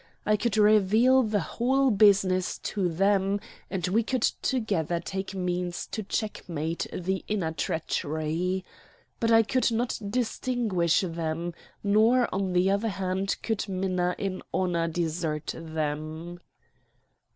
I could reveal the whole business to them, and we could together take means to checkmate the inner treachery. But I could not distinguish them; nor on the other hand could Minna in honor desert them.